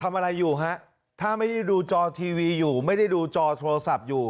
ทำอะไรอยู่ฮะถ้าไม่ได้ดูจอทีวีอยู่ไม่ได้ดูจอโทรศัพท์อยู่